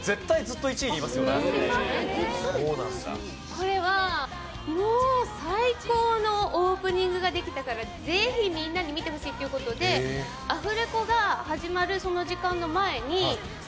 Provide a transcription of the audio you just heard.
これは、もう最高のオープニングができたからぜひ、みんなに見てほしいっていう事でアフレコが始まる時間の前にスタジオで、かけた。